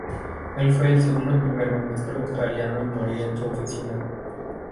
Él fue el segundo Primer Ministro Australiano en morir en su oficina.